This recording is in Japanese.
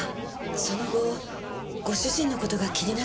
その後ご主人の事が気になったものですから。